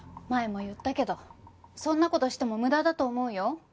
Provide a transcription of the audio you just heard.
前も言ったけどそんな事しても無駄だと思うよ。